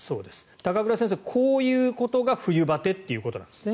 高倉先生、こういうことが冬バテということなんですね。